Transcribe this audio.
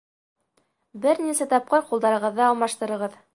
Бер нисә тапкыр ҡулдарығыҙҙы алмаштырығыҙ.